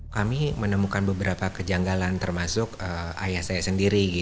kami menemukan beberapa kejanggalan termasuk ayah saya sendiri